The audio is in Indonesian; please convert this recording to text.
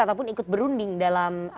ataupun ikut berunding dalam